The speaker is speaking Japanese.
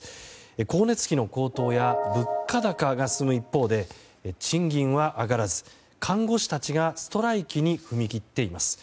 光熱費の高騰や物価高が進む一方で賃金は上がらず看護師たちがストライキに踏み切っています。